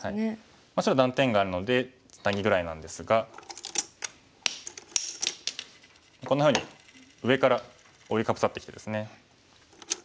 白断点があるのでツナギぐらいなんですがこんなふうに上から覆いかぶさってきてですね。